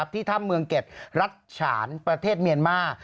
ที่ถ้ำเมืองเก็ตรัฐฉานประเทศเมียนมาร์